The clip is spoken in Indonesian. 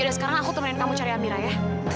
udah sekarang aku temenin kamu cari amira ya